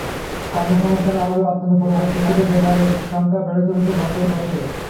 কর্মসংস্থানের অভাব অত্যন্ত প্রকট, শিক্ষিত বেকারের সংখ্যা বেড়ে চলেছে বছরে বছরে।